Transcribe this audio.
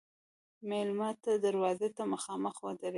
مېلمه ته دروازې ته مخامخ ودریږه.